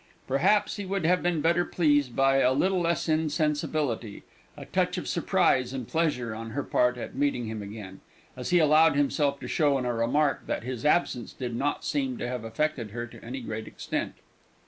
Perhaps he would have been better pleased by a little less insensibility, a touch of surprise and pleasure on her part at meeting him again, as he allowed himself to show in a remark that his absence did not seem to have affected her to any great extent.